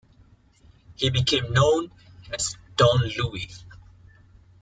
He became known as Don Luis.